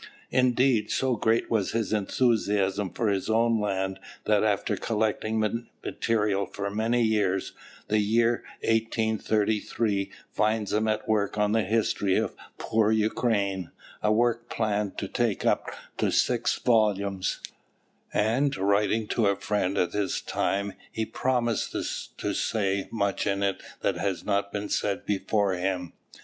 Indeed, so great was his enthusiasm for his own land that after collecting material for many years, the year 1833 finds him at work on a history of "poor Ukraine," a work planned to take up six volumes; and writing to a friend at this time he promises to say much in it that has not been said before him.